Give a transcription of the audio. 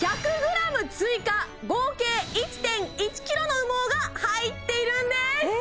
１００ｇ追加合計１．１ｋｇの羽毛が入っているんです！